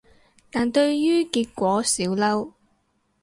但對於結果少嬲